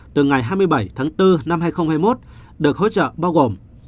từ ngày hai mươi bảy bốn hai nghìn hai mươi một được hỗ trợ bao gồm